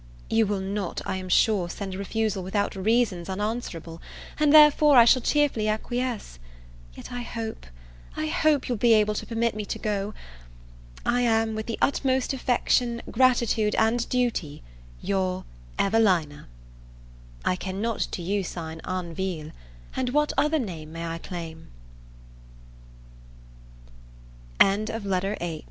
You will not, I am sure, send a refusal without reasons unanswerable, and therefore I shall cheerfully acquiesce. Yet I hope I hope you will be able to permit me to go! I am, with the utmost affection, gratitude, and duty, your EVELINA I cannot to you sign ANVILLE, and what other name may I claim? LETTER IX MR. VILLARS TO EVELINA Berry